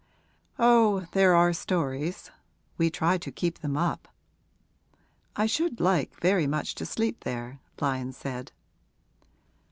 'Oh, there are stories we try to keep them up.' 'I should like very much to sleep there,' Lyon said.